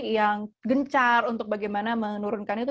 yang gencar untuk bagaimana menurunkan itu